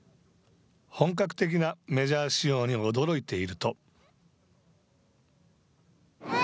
本格的なメジャー仕様に驚いていると。